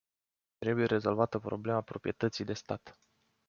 Trebuie rezolvată problema proprietății de stat.